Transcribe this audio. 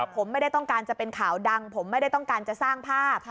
ผมไม่ได้ต้องการจะเป็นข่าวดังผมไม่ได้ต้องการจะสร้างภาพ